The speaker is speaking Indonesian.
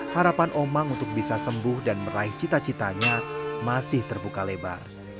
harapan omang untuk bisa sembuh dan meraih cita citanya masih terbuka lebar